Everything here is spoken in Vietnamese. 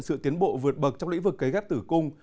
sự tiến bộ vượt bậc trong lĩnh vực cấy ghép tử cung